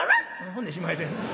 ほんでしまいでんねん。